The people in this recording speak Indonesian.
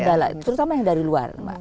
kendala terutama yang dari luar